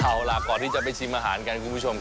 เอาล่ะก่อนที่จะไปชิมอาหารกันคุณผู้ชมครับ